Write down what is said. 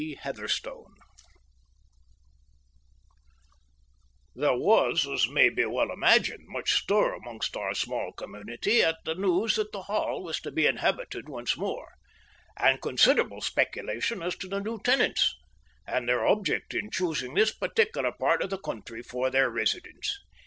HEATHERSTONE There was, as may well be imagined, much stir amongst our small community at the news that the Hall was to be inhabited once more, and considerable speculation as to the new tenants, and their object in choosing this particular part of the country for their residence.